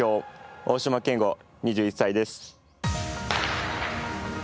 大島健吾、２１歳です。